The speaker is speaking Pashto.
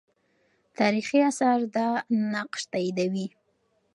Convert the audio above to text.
تاریخي آثار دا نقش تاییدولې.